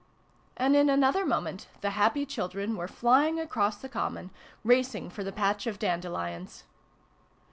" And in another moment the happy children were flying across the common, racing for the patch of dandelions.